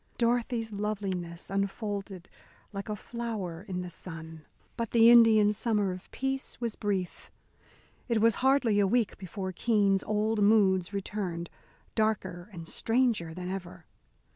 Dorothy's loveliness unfolded like a flower in the sun. But the Indian summer of peace was brief. It was hardly a week before Keene's old moods returned, darker and stranger than ever.